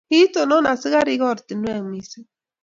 Kiitonon askarikab ortinwek mising